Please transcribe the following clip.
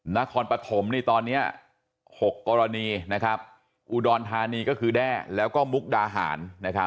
นครปฐมตอนนี้๖กรณีอุดรธานีก็คือแด้แล้วก็มุกดาหาร